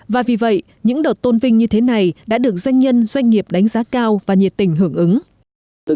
và vì vậy những đợt tôn vinh như thế này đã được doanh nhân doanh nghiệp đánh giá cao và nhiệt tình hưởng ứng